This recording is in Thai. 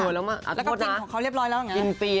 แล้วก็กินของเขาเรียบร้อยแล้วอย่างนี้